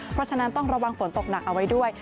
เพราะฉะนั้นต้องระวังฝนตกหนักเอาไว้ด้วย